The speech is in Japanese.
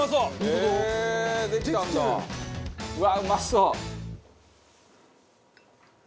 うわっうまそう。